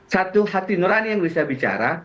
satu hati nurani yang bisa bicara